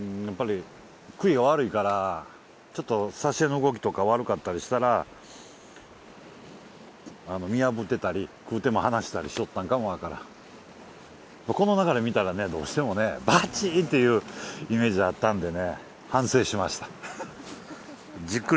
やっぱり食いが悪いからちょっとサシエの動きとか悪かったりしたら見破ってたり食うてもはなしたりしよったんかもわからんこの流れ見たらねどうしてもねバッチっていうイメージあったんでね反省しました・